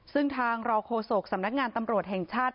ซึ่งทางรองโฆษกสำนักงานตำรวจแห่งชาติ